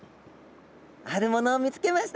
あるものを見つけました。